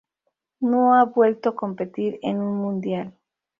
No ha vuelto a competir en un mundial.